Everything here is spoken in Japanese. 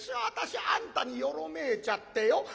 私あんたによろめいちゃってよ。